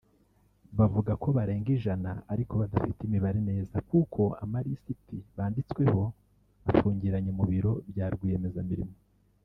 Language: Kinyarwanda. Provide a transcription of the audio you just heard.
Bavuga ko barenga ijana ariko badafite imibare neza kuko amalisiti banditsweho afungiranye mu biro bya rwiyemezamirimo